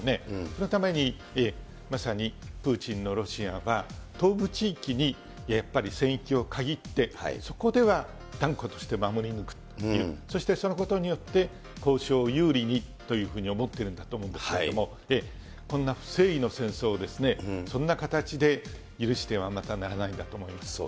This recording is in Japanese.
そのために、まさにプーチンのロシアは、東部地域にやっぱり戦域を限ってそこでは断固として守り抜くという、そしてそのことによって、交渉を有利にというふうに思ってるんだと思うんですけど、こんな不正義の戦争をそんな形で許してはまたならないんだと思います。